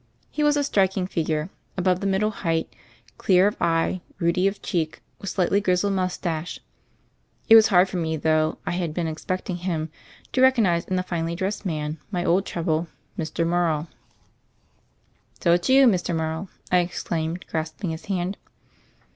He was a strik ing figure, above the middle height, clear of eye, ruddy of cheek, with slightly grizzled mustache; it was hard for me, though I had been expecting him, to recognize in the finely dressed man my old trouble, Mr. Morrow. 214 THE FAIRY OF THE SNOWS "So It's you, Mr. Morrow," I exclaimed, grasping his hand.